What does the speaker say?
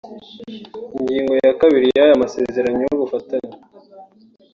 Ingingo ya kabiri y’aya masezerano y’ubufatanye